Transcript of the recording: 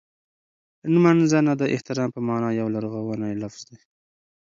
نمځنه د احترام په مانا یو لرغونی لفظ دی.